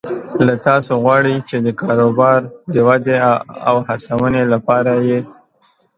له تاسو غواړي چې د کاروبار د ودې او هڅونې لپاره یې